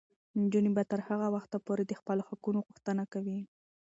نجونې به تر هغه وخته پورې د خپلو حقونو غوښتنه کوي.